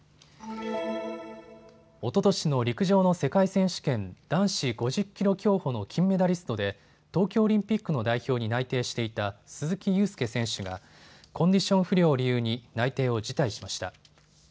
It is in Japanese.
おととしの陸上の世界選手権、男子５０キロ競歩の金メダリストで東京オリンピックの代表に内定していた鈴木雄介選手がコンディション不良を理由に内定を辞退しました。